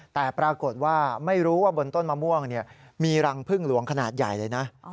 แต่ปรากฏว่าไม่รู้ว่าบนต้นมะม่วงมีรังพึ่งหลวงขนาดใหญ่เลยนะ